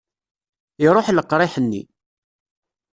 Iruḥ leqriḥ-nni.